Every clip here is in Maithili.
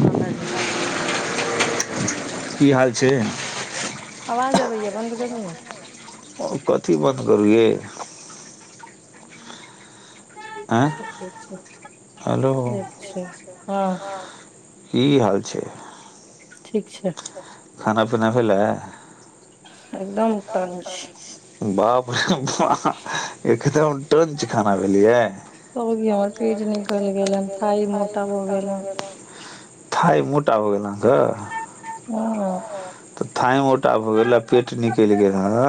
हँ बाजू की हाल छै अवाज अबैया बन्द करू ने कथी बन्द करूे ये [unintelligible] चछ ठीक छै ठीक छै हँ की हाल छै ठीक छै खाना पीना भेलै एकदम टनच बाप रे एकदम टंच खाना भेलिय थाय मोटा भ गेल अहांके हँ तऽ थााय मोटा भ गेला पेट निकलि गेल हे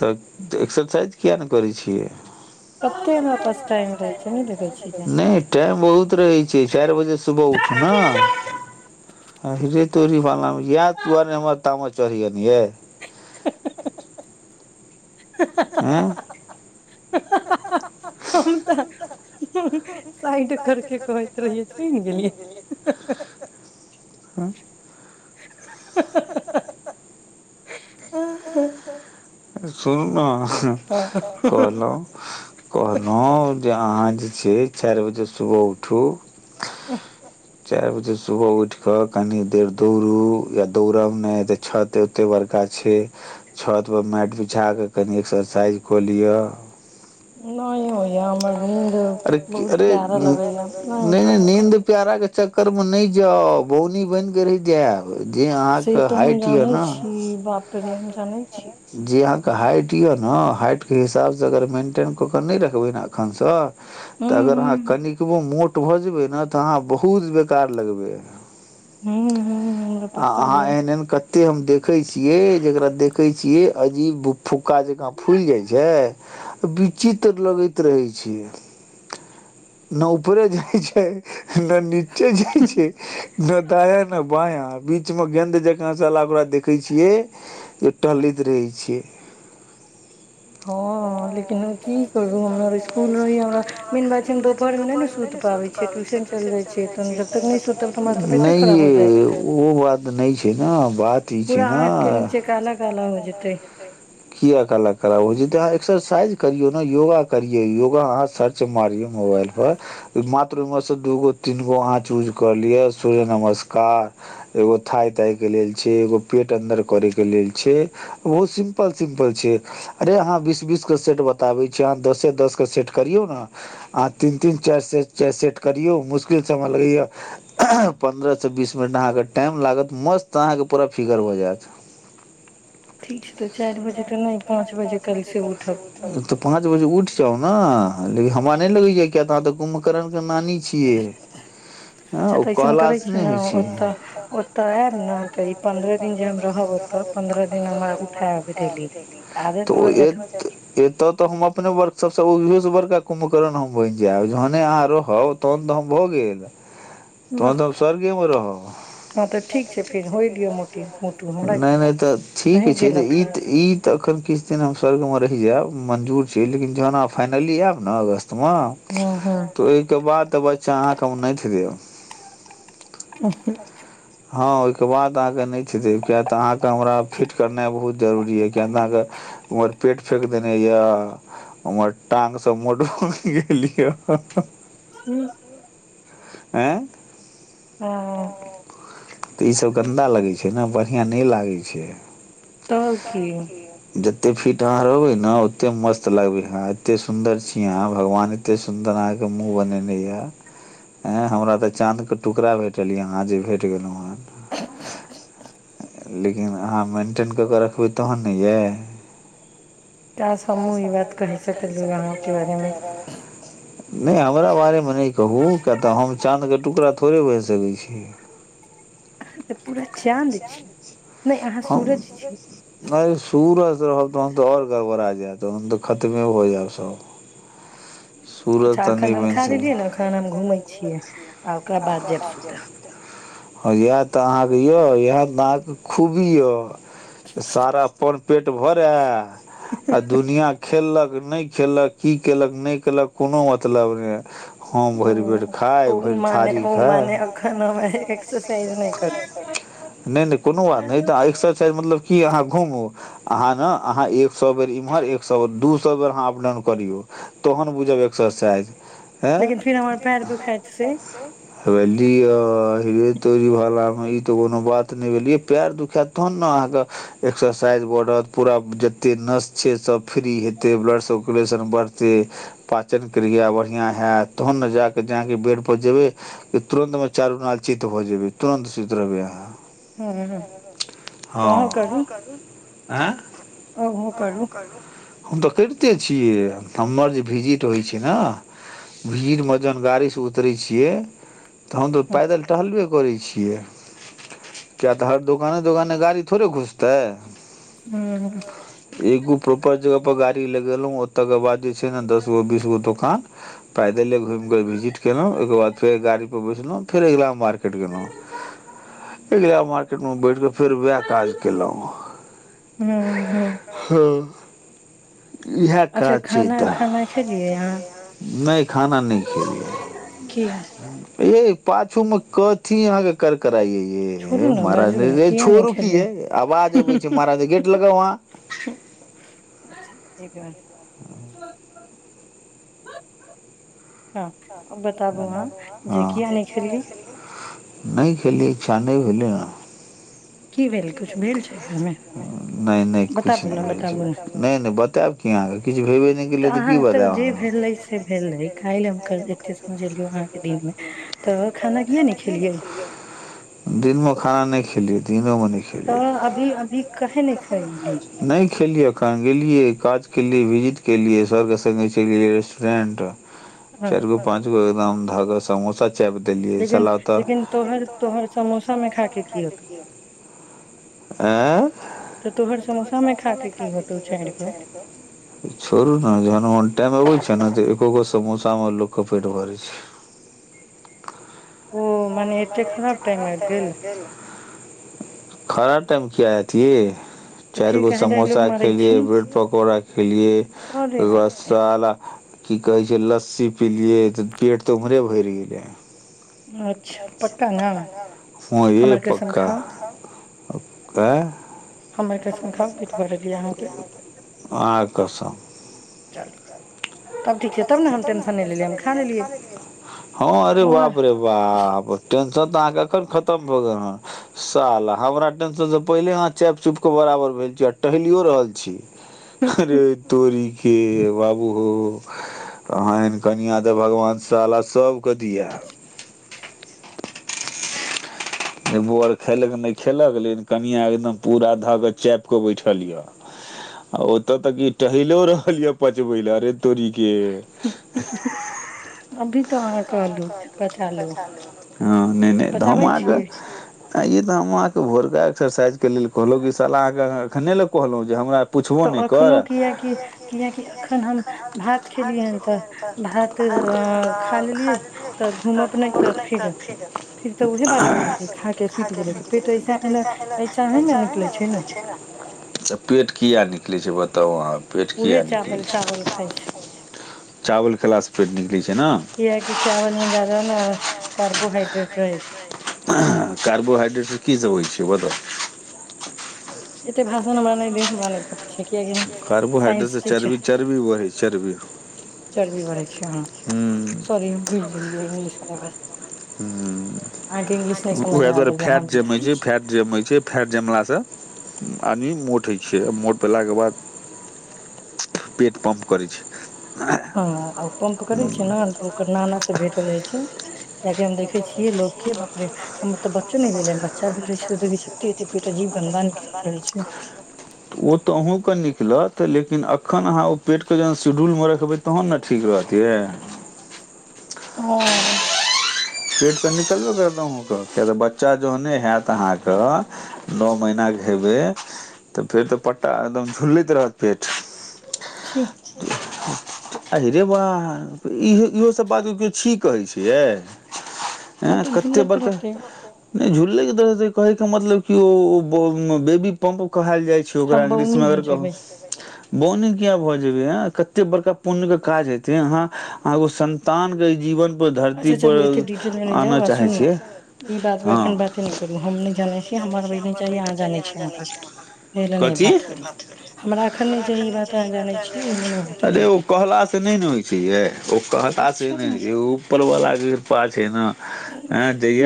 तऽ एक्सरसाइज किया ने करै छियै कते हमरा पास टाइम रह से नय देखै छिय नहि टाइम बहुत रहै छै चारि बजे सुबह उठू ने आ हरे तोरी भलामे यए दुआरे हमर तामस चरी करनीऐ हँ ह हम तऽ साईड करके कहेथ रहलिए सुनि गेलिय आ ह ह सुनू ने कहलहुँ कहलहुँ जे अहाँ जे छै चारि बजे सुबह उठू आह चारि बजे सुबह उठि कऽ कनि देर दौड़ू या दौड़ब नहि तऽ छत ओतेक बड़का छै छतपर माटि बिछा कऽ कनि एक्सरसाइज कऽ लिअ नहि होएा हमर अरे अरे नहि नहि नीन्द प्यारा क चक्कर मे नहि जाउ बौनी बन के रही जायब से तऽ हम जानै छी बाप रे हम जानै छी कऽ हाइट यऽ न हाइट के हिसाबसँ अगर मेंटेन कऽ के नहि रखबै न अखैन सँ तऽ अगर अहाँ कनिकवो मोट भऽ जेबै ने तऽ अहाँ बहुत बेकार लगबै आ अहाँ एहन एहन कते हम देखै छियै जेकरा देखै जे अजीब भु फुक्का जकाँ फुलि जाइ छै विचित्र लगैत रहै छै न उपर जाइ छै न नीचे जाइ छै न दाया न बायाँ बीचमे गेंन्द जकाँ च ओकरा देखै छियै जे टहलैत रहै छिय हँ लेकिन ओ कि करू हमर स्कुल रहै य हमरा मेन बात छै हम दुोपहर मे नहि ने सुति पाबै छी ट्यूशन चल जाइ छियै त जब तक नइ सुतब तऽ हमरा तबियते खराब हो जात पूरा आँख के नीचे क काला काला हो जेते नइ यै ओ बात नहि छै न बात ई छै न की आका कराऊ एकसजसाइन करिये योगा आहाँ सर्च मारियो मोमाबइल पर मात्र ओहि मऽ सऽ दू गो तीन गो आहाँ चूज कऽ लिए सुर्ज नमस्कार एगो थाय ताय क लेल छै एगो पेट अन्दर करै कऽ लेल छै ओहो सिम्पल सिम्पल छै अरे आहाँ बीस बीस कऽ सेट बताबै छै अहाँ दस दसे दस क सेट करियो न अहाँ तीन तीन चाइर सेट चाइर सेट करियो मुश्किल स हमरा लगै य पन्द्रह स बीस मिनट अहाँके टाइम लागत मस्त अहाँके पूरा फिगर भय जाइत पाँच बजे उठ जाउ न लेकिन हमरा नहि लगैय किया तऽ अहाँ तऽ कुम्भकरण के नानी छियै अच्छा तऽ अइसन करै छी न ओतऽ ओतय आयब न तऽ ई पन्द्रह दिन जे हम रहब ओतऽ पन्द्रह दिन हमरा उठायब डेली तऽ आदत भऽ जायत तब ओहियो सँ बरका कुमभकर्ण हम बनि जायब जहने अहाँ रहब तहन तऽ हम भऽ गेल तोन तऽ हम स्वर्गे मे रहब नहि नहि तऽ ठीक छै त त तऽ अखन किछु दिन हम स्वर्ग मे रहि जायब मंजूर छै लेकिन जहन आहाँ फाइनली आयब नऽ अगस्त म तऽ ओहिके बाद त बच्चा अहाँके हम नइथ देब [unintelligible] हँ ओहिके बाद अहाँके नाइथ देब किय तऽ अहाँके हमरा फिट करनाइ बहुत जरूरी यए किय तऽ अहाँके उम्हर पेट फेेक देने यए उम्हर टाँंग समोट गेललिय हू आँ ह तऽ ई सब गन्दा लगे छै छै ने बढ़िआँ नहि लागै छै तऽ की जत्ते फीट आहा रहबे ने ओते मस्त लगबे आहाँ एते सुंदर छीये आहाे भगवान एते सुंदर आा के मुंह बनेने ये ह हमरा ते चांद के टुकड़ा भेटल ये आहाँ जे भेट गेलो हन [unintelligible] लेकिन अहाँ मेंटेन कऽ केऽ रखबै तोहन ने यऽ नहि हमरा बारेमे नहि कहू क तऽ हम चाँद टुकड़ा थोड़े भहि सकै छै अहाँ तऽ पूरा चाँद दै छियै हम नहि सूरज रह त हम आओर गड़बड़ आ जात तहन तऽ खतमे होऽ जायब सब अच्छा एखन हम खा लेलियै ने एखन हम घूम अ छियै आ ओकरा बाद जब सुू त हँ याद तऽ अहाँके यौ यहाँ दाँ खूबिय य सारा अपन पेट भरा आ दुनिया खेललक नहि खेलक की केलक नहि केलक कोनो मतलब ने हम भरि बेेर खाय भरि [unintelligible] अहाँ ने अहाँ एक सए बेर इम्हर एक सए बेर दू सए बेर अहाँ अपडाउन करियौ तहन बुझब एक्सरसाज ह हुँ होबाअ लिअ तोरी भालामे ई तऽ कोनो बात नहि भेलियै पयर दुखायत तहन ने अहाँके एक्सरसाइज बढ़त पूरा जते नस छै सभ फ्री हेते ब्लड सर्कुलेशन बढ़ते पाचन क्रिया बढ़ििया हत तहन ने जााके जाके बेड जेबे तुरंत मे चारू लाल चित भ जेबे तुरन्त सुित रहबे अहाँ हँँ हम तऽ करिते छियै हमर जे भिजिट होइ छै ने भीर मेजन गारी सु तरै छियै तऽ पैदल टहलब करै छियै किया तऽ हर दोकाने दोकाने गाड़ी थोड़े घुसतै एकगो प्रपार जग गाी लगेलहुं ओतकर बाद जे छै ने दसगो बीसगो दोकान पैदल घुमिे भिजिट ओ बाद फेर गाड़ी परे बैलहु फर गेल मार्केट गेलहुँ एग बैठ के फेर वएह काज केलहु इएह काज छै तऽ नहि खाना नहि खेलियै ये पाछू में कथि अहाँ के करक म छो रुकी ह आवाज अबै छै महाराज गेट लगा अहां एक मिनट [inaudible] हाँ नै खेलिय इच्छा नै नहि भेलेय हन की भेल कुछु भेल छै घर मे बताबु ने बताबु ने तऽ अहाँ ए तऽ जे भेल रहे से भेल रहे काल हम एते समझलिय अहाँके दिन मे तऽ दिनमे खाना नहि खेलिय मे नहि खेलेलियै नहि खेलेलियिया क गेलियै काज के लिए विजिट के लिए सर के सङ्ग चलि गेलिए रेस्टोरेंट चारि गो पाँच गो एकदम धक समोसा चाईप लेकिन लेकिन तोहर तोहर समोसामें खा के की हत आँ तोहर समोसा छोड़ू ने जहन ओन टाइम अबै छै ने तऽो समोसामे लोक के पेट भर छै ओ मने एतह खराब टाइम आबि गेल खराब टाइम किया आएत ये चारि गो समोसा खलियै ब्रेड पकोड़ा खेलियए ओहि के बाद मसाला की कहै छै लस्सी पिलियै तऽ पेट तऽ ओम्हरे भरि गेलै ह य पकका हमर कसम खाउ ए अन्हा कें कसम चल हँ अरे बाप रे बाप त तऽ अहाँके कखन खतम भऽ गेल हँ साल हमरा टेंशनसँ पहिले अहाँ चापि चुपके बराबर भेल छी आ टहलियो रहल छी अरे तोरी के बाबू हो अहाँ एहन कनिआँ तऽ भगवान साला सभकेँ दिए [unintelligible] बर खेलक नहि खेलक लेकिन कनिया एकदम पूरा धऽ क चापि क बैठल ये आ ओतऽ तऽ क टहलो रहल ये पचबै ले अभी तऽ आ हँ नहि नहि तऽ हमहुं अहांके क तऽ हम अहाँके भोरका एक्सरसाइजके लेल कहलहुँ कि साला अहाँके एखने लए कहलहुँ जे हमरा तऽ एखनहु कियकि कियकि एखन हम भात खेलियै हन तऽ भात अ खा लेलियै [unintelligible] किया निकले छै बताउ अहाँ उहे चावल चावल खाइ छै चावल खेलासँ पेट निकलै छै न अ कारबोहाइड्रेग रहै छै कारबोहाड्रेड स की सब होइ छै बता एतऽ भाषण हमरा नै देल मने छैै कियाकी हम साइंस टीचर चर्बी पढ़ै छै सॉरी हम बुझ लेलियै इंगलिश ब हं उएह दुआरे फैट जमै छै फैट जमै छै फैट जमलासँ आदमी मोट होइ छै मोट भेलाके बाद पेट पम्प करै छै हँ पम्प करे छियै ने तऽ ओकर नाना से भेंट हो जाइ छै कियाकि हम देखै छियै लोकके बाप रे हमर तऽ बच्चो नहि भेलै बच्चा भेल रहै छै देख छैते एते पेट अजीब गन्दा निकलल रहै छै तऽ ओ तऽ अहूँके निकलत लेकिन अखन अहाँ ओ पेटके जहन शेड्यूलमे रखबै तहन न ठीक रहत यै पेट तऽ निकलबे करत अहूँके किया तऽ बच्चा जहने हएत अहाँके नओ महीनाके हेबै तऽ फेर तऽ पट्टा एकदम झुलैत रहतै पेट आहि रे बा ई इहोसभ बात केओ छी कहै छियै एँ कते बड़का नहि झुललैके दरअ कहैके मतलब कि ओ बेबी पम्प कहल जाइ छै ओकरा इंगलिशमे अगर कह बौनी किया भऽ जेबही एं कते बड़का पुण्य के काज हेतै अहाँ आ ओ सन्तान ऐ जीवन अच्छा चलू एते डिटेलमे नै जाउ आ सुनू ई बातपर एखन बाते नहि करू हम नहि जानै छी जानै छियै हम बनबै नै अखन कथी हमरा अखन नै चाही ई बात अहां जानै छियै अरे ओ कहला से नहि ने होइ छै यै ओ कहला स नै होइ छै बला के कृपा छै न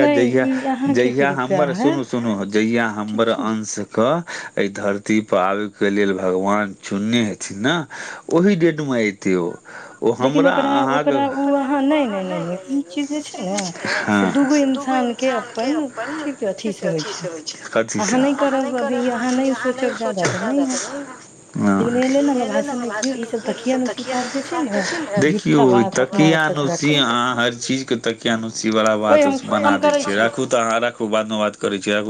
नहि ई अहाँके कृपया होएत सुन जहिआ हमर अंशके एहि धरती पर आबे के लेल भगवान चुनने हेथिन ने ओहि डेट लेकिन ओकरा ओकरा ओ अहाँ नहि नहि नहि ई चीज जे छै ने से दूगो इन्सान के अपन ठीक अथ हो अथि सँ होय छै अथि सँ [inaudible] देखियौ तकिया नसी अहाँ हर चीज के तक कनी बला बात बना द छ राखु त अह राखु बात [unintelligible]